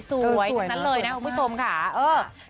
แบบนั้นเลยนะคุณผู้ชมก่อน